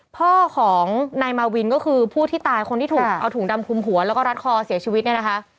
พ่อของนายมาวินก็คือผู้ที่ตายคนที่ถูกเอาถุงดำคลุมหัวแล้วก็รัดคอเสียชีวิตเนี่ยนะคะ